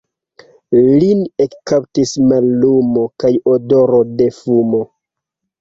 Lin ekkaptis mallumo kaj odoro de fumo.